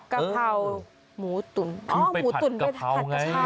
กะเพราหมูตุ๋นอ๋อหมูตุ๋นได้ผัดเช่า